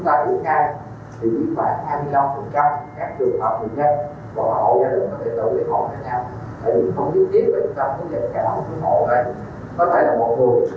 tại các vùng vàng vùng cận xanh thực hiện test nhanh kháng nguyên đơn cho toàn bộ người dân trên địa bàn